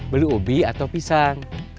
beli ubi atau pisang